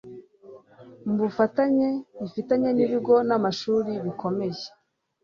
mu bufatanye ifitanye n'ibigo n'amashuri bikomeye